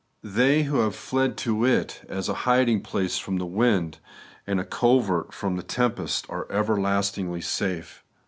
They who have fled to it aa a hiding place from the wind, and a covert from the tempest, are everlastingly safe.